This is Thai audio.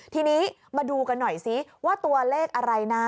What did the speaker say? ทีนี้มาดูกันหน่อยสิว่าตัวเลขอะไรนะ